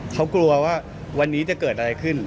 เขากลัวว่าวันนี้จะเกิดอะไรขึ้น